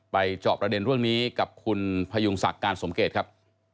จอบประเด็นเรื่องนี้กับคุณพยุงศักดิ์การสมเกตครับ